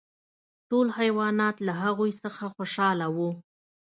ټول حیوانات له هغوی څخه خوشحاله وو.